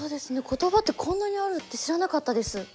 ことばってこんなにあるって知らなかったです。